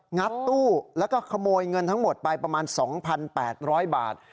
งัดตู้แล้วก็ขโมยเงินทั้งหมดไปประมาณ๒๘๐๐บาท